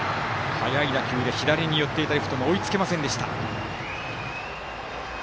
速い打球で、左に寄っていたレフトも追いつけませんでした。